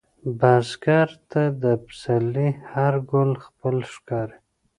بزګر ته د پسرلي هر ګل خپل ښکاري